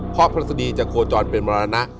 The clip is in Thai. เพราะพฤษฎีจะโคจรเป็นมรณะ